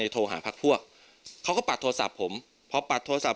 โทรหาพักพวกเขาก็ปัดโทรศัพท์ผมพอปัดโทรศัพ